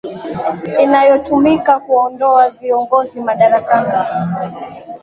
inayotumika kuwaondoa viongozi madarakani